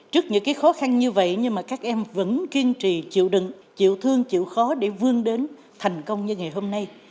trước những khó khăn như vậy nhưng mà các em vẫn kiên trì chịu đựng chịu thương chịu khó để vươn đến thành công như ngày hôm nay